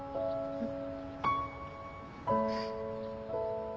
うん。